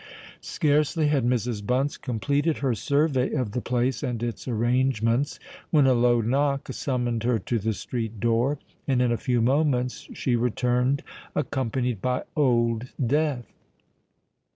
Scarcely had Mrs. Bunce completed her survey of the place and its arrangements, when a low knock summoned her to the street door; and in a few moments she returned, accompanied by Old Death.